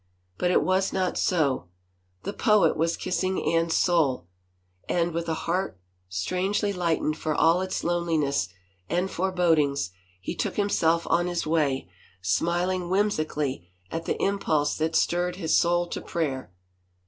But it was not so. The poet was kissing Anne's soul. ... And with a heart strangely lightened for all its loneliness and forebodings he took himself on his way, smiling whimsically at the impulse that stirred his soul to prayer.